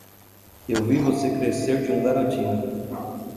Eu vi você crescer de um garotinho.